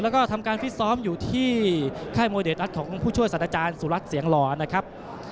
แล้วก็ทำการฟิตซ้อมอยู่ที่ค่ายมวยเดชรัฐของผู้ช่วยสัตว์อาจารย์สุรัสตเสียงหล่อนะครับ